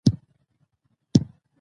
مانا شوی د پوښتنې وړدی،